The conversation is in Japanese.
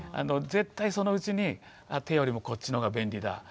絶対そのうちに手よりもこっちの方が便利だ。